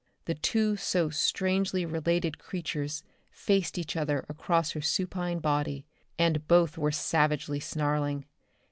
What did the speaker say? The two so strangely related creatures faced each other across her supine body and both were savagely snarling.